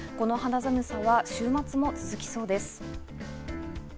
この肌寒さは週末も続きそうです。